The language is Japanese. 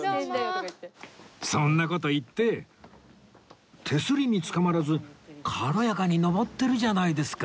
そんな事言って手すりにつかまらず軽やかに上ってるじゃないですか